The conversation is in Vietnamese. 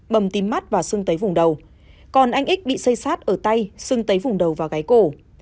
bầm tím mắt và xưng tấy vùng đầu còn anh x bị xây sát ở tay xưng tấy vùng đầu và gái cổ